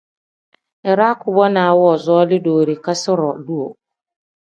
Iraa kubonaa woozooli doorikasi-ro duuu.